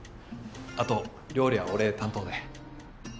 あと料理は俺担当で。